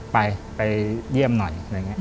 ไปเยี่ยมหน่อย